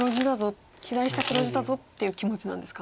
左下黒地だぞっていう気持ちなんですか？